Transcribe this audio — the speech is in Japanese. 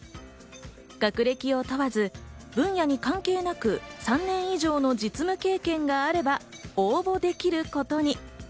学歴を問わず、分野に関係なく３年以上の実務経験があれば応募できることに。